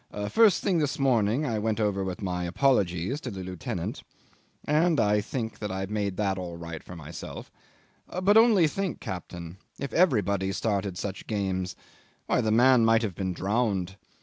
First thing this morning I went over with my apologies to the lieutenant, and I think I've made it all right for myself; but only think, captain, if everybody started such games! Why, the man might have been drowned!